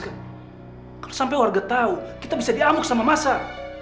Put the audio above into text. kalau sampai warga tau kita bisa diamuk sama masar